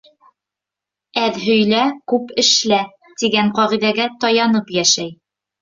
«Әҙ һөйлә, күп эшлә!» тигән ҡағиҙәгә таянып йәшәй.